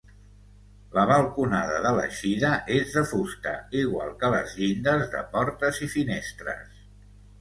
La balconada de l'eixida és de fusta, igual que les llindes de portes i finestres.